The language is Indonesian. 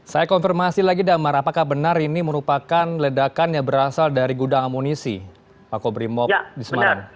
saya konfirmasi lagi damar apakah benar ini merupakan ledakan yang berasal dari gudang amunisi makobrimob di semarang